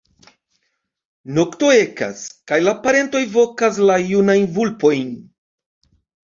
Nokto ekas, kaj la parentoj vokas la junajn vulpojn.